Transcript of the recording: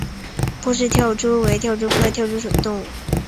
波氏跳蛛为跳蛛科跳蛛属的动物。